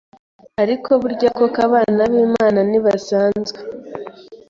Ariko burya koko abana b’Imana ntibasanzwe.